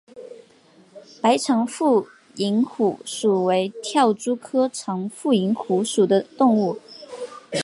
白长腹蝇虎属为跳蛛科长腹蝇虎属的动物。